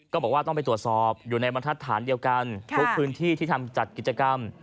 ก็บอกว่าต้องไปตรวจสอบอยู่ในบรรทัศน์เดียวกันทุกพื้นที่ที่ทำจัดกิจกรรม